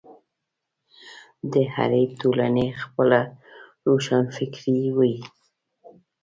د هرې ټولنې خپله روښانفکري وي.